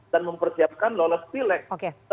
dan mempersiapkan lolos pilek